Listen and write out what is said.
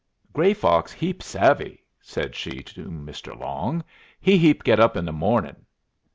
"Gray Fox heap savvy," said she to Mr. Long. "He heap get up in the mornin'."